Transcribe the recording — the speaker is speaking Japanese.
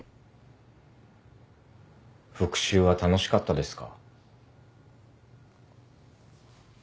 復讐は楽しかったですか？